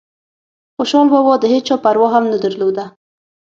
خوشحال بابا دهيچا پروا هم نه درلوده